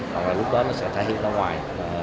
hoặc là lúc đó nó sẽ thay thế ra ngoài